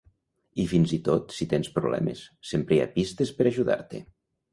I fins i tot si tens problemes, sempre hi ha pistes per ajudar-te.